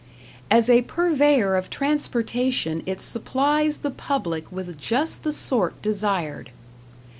"As a purveyor of transportation it supplies the public with just the sort desired."